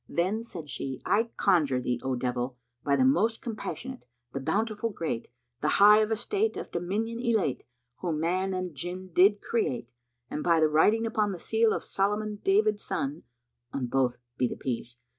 Then said she, "I conjure thee, O devil, by the Most Compassionate, the Bountiful great, the High of Estate, of Dominion Elate who man and Jinn did create, and by the writing upon the seal of Solomon David son (on both be the Peace!)